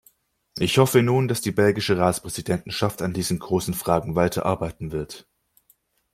Ich hoffe nun, dass die belgische Ratspräsidentschaft an diesen großen Fragen weiter arbeiten wird.